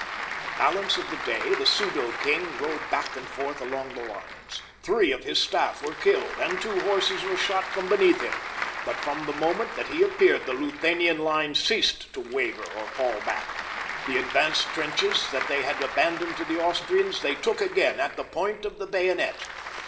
The balance of the day the pseudo king rode back and forth along his lines. Three of his staff were killed and two horses were shot from beneath him, but from the moment that he appeared the Luthanian line ceased to waver or fall back. The advanced trenches that they had abandoned to the Austrians they took again at the point of the bayonet.